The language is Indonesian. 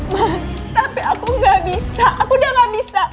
mas tapi aku gak bisa aku udah gak bisa